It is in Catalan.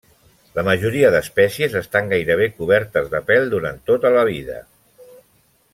La majoria d'espècies estan gairebé cobertes de pèl durant tota la vida.